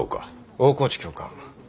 大河内教官。